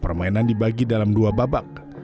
permainan dibagi dalam dua babak